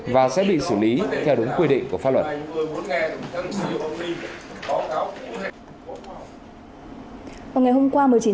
vào ngày hôm qua một mươi chín tháng ba